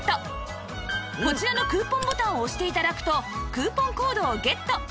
こちらのクーポンボタンを押して頂くとクーポンコードをゲット